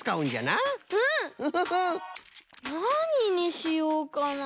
なににしようかな？